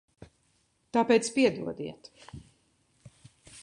Tāpēc piedodiet.